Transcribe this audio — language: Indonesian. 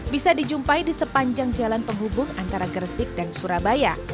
bisa dijumpai di sepanjang jalan penghubung antara gresik dan surabaya